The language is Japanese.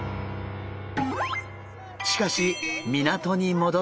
しかし港に戻ると。